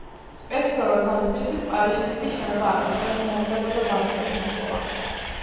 სპეციალურად ამ დღისთვის პარიზში დიდი შენობა ააგეს, სადაც მოხდებოდა ბანკეტის მოწყობა.